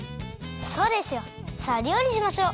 そうですよ。さありょうりしましょう！